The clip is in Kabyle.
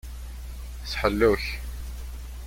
S ḥellu-k.